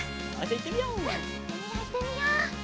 いってみよういってみよう。